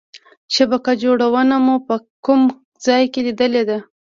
شبکه جوړونه مو په کوم ځای کې لیدلې ده؟